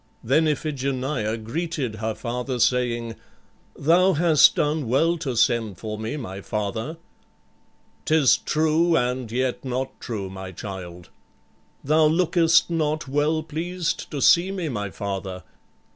Then Iphigenia greeted her father, saying, "Thou hast done well to send for me, my father." "'Tis true and yet not true, my child." "Thou lookest not well pleased to see me, my father."